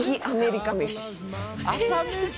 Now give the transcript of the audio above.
朝飯？